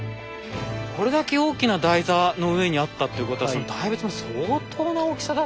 これだけ大きな台座の上にあったということはその大仏も相当な大きさだったでしょうね。